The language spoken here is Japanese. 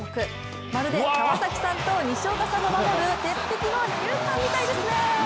まるで川崎さんと西岡さんの守る鉄壁の二遊間みたいですね。